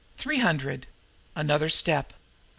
"Three hundred!" Another step.